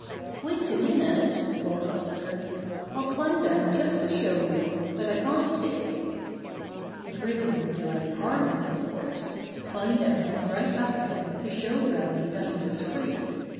"Wait a minute!" called Buster. "I'll climb down just to show you, but I can't stay." It really wouldn't do any harm, he thought, to climb down and right back again to show Groundy that he was free.